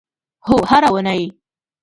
هو، هره اونۍ